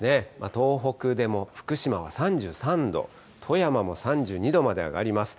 東北でも、福島は３３度、富山も３２度まで上がります。